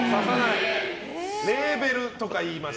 レーベルとか言います。